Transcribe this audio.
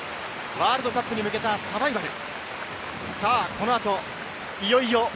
ワールドカップに向けたサバイバル。